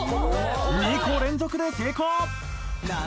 ２個連続で成功